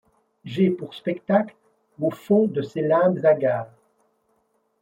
J’ai pour spectacle, au fond de ces limbes hagards